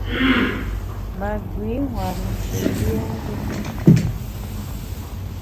Ma gbi nwar-u nshié liénjù.